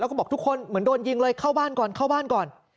แล้วก็บอกทุกคนเหมือนโดนยิงเลยเข้าบ้านก่อนเข้าบ้านก่อน